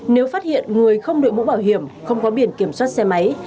nếu phát hiện người không đội mũ bảo hiểm không có biển kiểm soát xe máy